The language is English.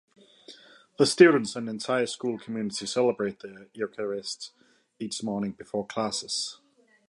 The students and entire school community celebrate the Eucharist each morning before classes.